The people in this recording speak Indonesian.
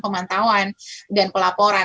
pemantauan dan pelaporan